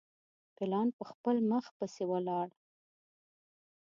پلان پر خپل مخ پسي ولاړ.